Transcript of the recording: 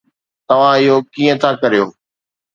توهان اهو ڪيئن ٿا ڪريو؟